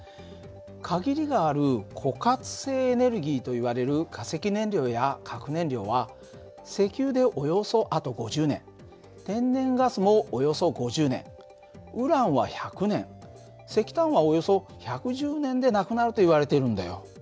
限りがある枯渇性エネルギーといわれる化石燃料や核燃料は石油でおよそあと５０年天然ガスもおよそ５０年ウランは１００年石炭はおよそ１１０年でなくなるといわれているんだよ。